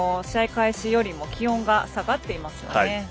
開始よりも気温が下がっていますよね。